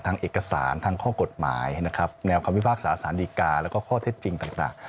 เอกสารทางข้อกฎหมายนะครับแนวคำพิพากษาสารดีกาแล้วก็ข้อเท็จจริงต่าง